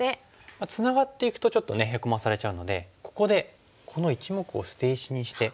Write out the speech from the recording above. つながっていくとちょっとヘコまされちゃうのでここでこの１目を捨て石にして。